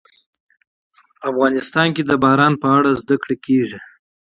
افغانستان کې د باران په اړه زده کړه کېږي.